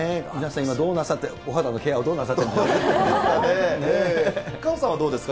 今、どうなさって、お肌のケアはどうなさってるんですかね。